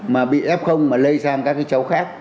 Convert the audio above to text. mà bị ép không mà lây sang các cái cháu khác